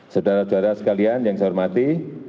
saudara saudara sekalian yang saya hormati